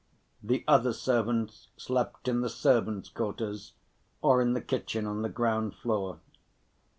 The other servants slept in the servants' quarters or in the kitchen on the ground‐floor.